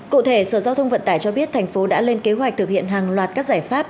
cụ thể sở giao thông vận tải cho biết thành phố đã lên kế hoạch thực hiện hàng loạt các giải pháp